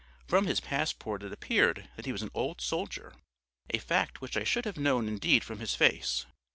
From his passport it appeared that he was an old soldier, a fact which I should have known indeed from his face.